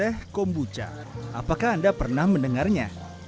teh kombucha apakah anda pernah mendengarnya